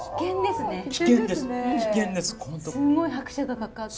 すんごい拍車がかかって。